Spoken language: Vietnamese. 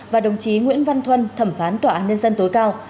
và đồng chí nguyễn văn thuân thẩm phán tòa án nhân dân tối cao